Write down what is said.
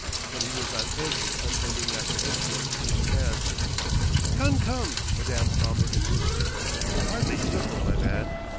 But he was on edge with unending apprehension of mischance. "Come, come!" Madame Omber insisted. "You're hardly civil, my man.